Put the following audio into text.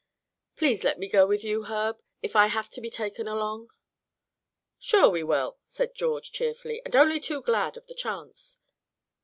Please let me go with you, Herb, if I have to be taken along." "Sure we will," said George, cheerfully, "and only too glad of the chance.